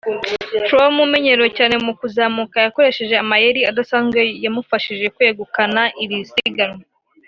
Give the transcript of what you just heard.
Froome umenyerewe cyane mu kuzamuka yakoresheje amayeri adasanzwe yamufashije kwegukana iri siganwa